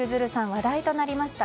話題となりました